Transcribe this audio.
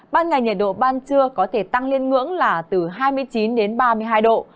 ban ngày nhiệt độ ban trưa có thể tăng lên ngưỡng là từ hai mươi chín đến ba mươi hai độ